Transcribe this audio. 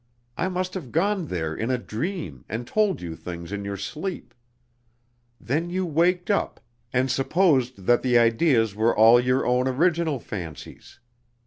I must have gone there in a dream, and told you things in your sleep. Then you waked up, and supposed that the ideas were all your own original fancies.